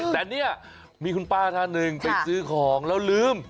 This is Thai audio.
แต่เนี่ยมีคุณป้าท่านหนึ่งไปซื้อของแล้วลืม